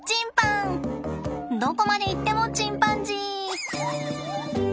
どこまでいってもチンパンジー！